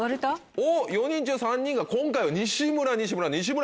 おっ４人中３人が今回は西村西村西村。